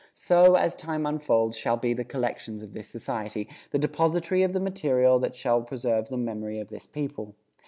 So, as time unfolds, shall be the collections of this Society, the depository of the material that shall preserve the memory of this people.